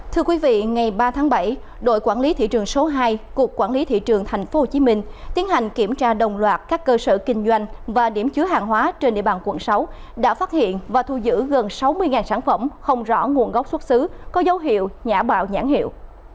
thưa quý vị ngày ba tháng bảy đội quản lý thị trường số hai cục quản lý thị trường tp hcm tiến hành kiểm tra đồng loạt các cơ sở kinh doanh và điểm chứa hàng hóa trên địa bàn quận sáu đã phát hiện và thu giữ gần sáu mươi sản phẩm không rõ nguồn gốc xuất xứ có dấu hiệu nhã mạo nhãn hiệu